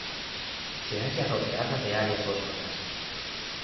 Se halla rodeada de áreas boscosas.